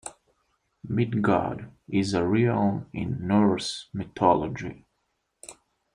Midgard is a realm in Norse mythology.